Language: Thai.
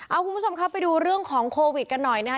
เอาคุณผู้ชมครับไปดูเรื่องของโควิดกันหน่อยนะคะ